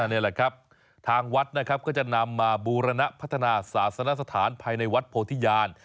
นี่แหละครับทางวัดนะครับก็จะนำมาบูรณพัฒนาศาสนสถานภายในวัดโพธิญาณ